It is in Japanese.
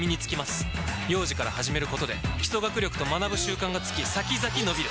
幼児から始めることで基礎学力と学ぶ習慣がつき先々のびる！